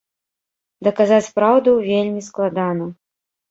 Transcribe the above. Даказаць праўду вельмі складана.